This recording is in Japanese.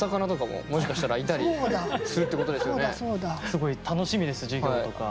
すごい楽しみです授業とか。